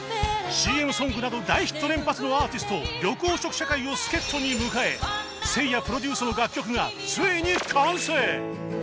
ＣＭ ソングなど大ヒット連発のアーティスト緑黄色社会を助っ人に迎えせいやプロデュースの楽曲がついに完成！